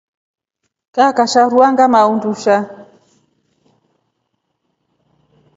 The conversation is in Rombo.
Kakasha rua ngamaa undusha.